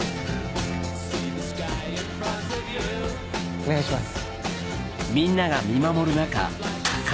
お願いします。